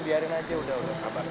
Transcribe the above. biarin aja udah sabar